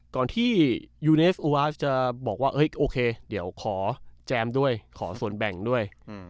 ก่อนที่ยูเนฟูวาสจะบอกว่าโอเคเดี๋ยวขอแจมด้วยขอส่วนแบ่งด้วย